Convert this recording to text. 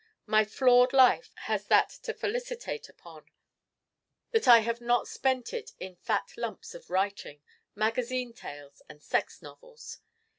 My flawed life has that to felicitate upon that I have not spent it in fat lumps of writing, magazine tales and sex novels.